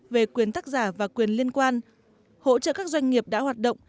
về quyền tác giả và quyền liên quan hỗ trợ các doanh nghiệp đã hoạt động